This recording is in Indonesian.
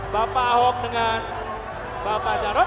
bapak ahok dengan bapak jarod